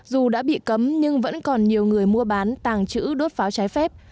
dù đã bị cấm nhưng vẫn còn nhiều người mua bán tàng trữ đốt pháo trái phép